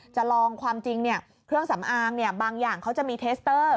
จะลองความจริงเครื่องสำอางบางอย่างเขาจะมีเทสเตอร์